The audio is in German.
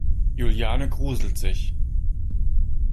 Juliane gruselt sich.